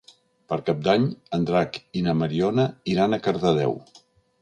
Per Cap d'Any en Drac i na Mariona iran a Cardedeu.